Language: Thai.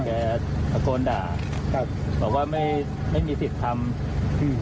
แกตะโกนด่าครับบอกว่าไม่ไม่มีสิทธิ์ทำอืม